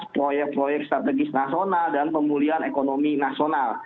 proyek proyek strategis nasional dan pemulihan ekonomi nasional